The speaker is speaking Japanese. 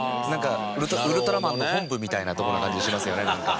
「ウルトラマンの本部」みたいな所の感じしますよねなんか。